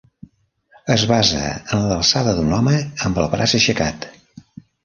Es basa en l'alçada d'un home amb el braç aixecat.